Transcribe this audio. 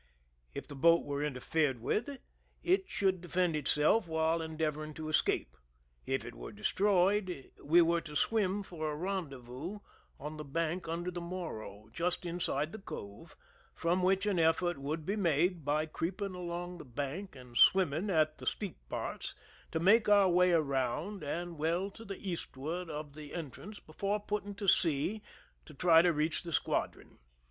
If the boat were interfered with, it should defend itself while endeavoring to escape. If it were destroyed, we were to swim for a ren dezvous on the bank under the Morro, just inside the cove, from which an effort would be made, by creeping along the bank and swimming at the steep parts, to make our way around and well to the eastward oJ: the entrance before putting to sea to try to reach the squadron.